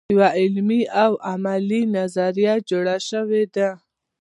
یوه علمي او عملي نظریه جوړه شوې ده.